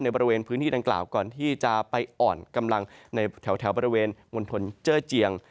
บริเวณพื้นที่ดังกล่าวก่อนที่จะไปอ่อนกำลังในแถวบริเวณมณฑลเจอร์เจียง